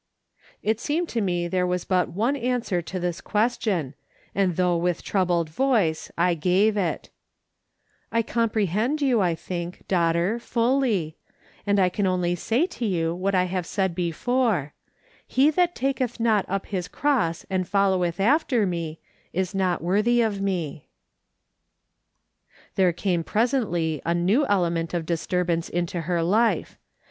It seemed to me there was but one answer to this question, and though with troubled voice, I gave it :" I comprehend you, I think, daughter, fully ; and I can only say to you what I have said before, ' He that taketh not up his cross and followeth after me, is not worthy of me.' " There came presently a new element of disturbance into her life.